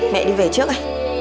mẹ đi về trước ạ